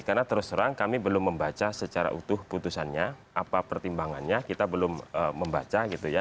karena terus terang kami belum membaca secara utuh putusannya apa pertimbangannya kita belum membaca gitu ya